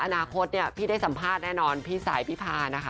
อนาคตเนี่ยพี่ได้สัมภาษณ์แน่นอนพี่สายพี่พานะคะ